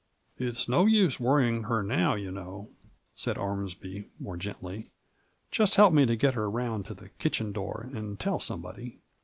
" It's no use worrying her now, you know," said Ormsby, more gently. " Just help me to get her round to the kitchen door, and tell somebody."